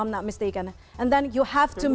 dan kemudian anda harus mengaku